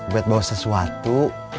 bet bawa sesuatu